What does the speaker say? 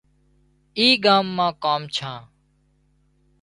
اِي ڳام مان ڪام ڇان